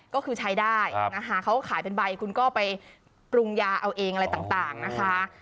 ก็คือใช้ได้นะคะเขาขายเป็นใบคุณก็ไปปรุงยาเอาเองอะไรต่างนะคะ